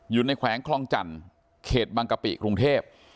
แขวงคลองจันทร์เขตบางกะปิกรุงเทพ